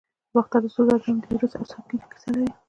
د باختر د سرو زرو جام د ایروس او سایکي کیسه لري